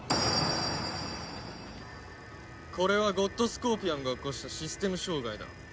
これはゴッドスコーピオンが起こしたシステム障害だ。